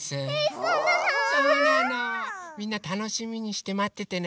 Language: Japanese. みんなたのしみにしてまっててね。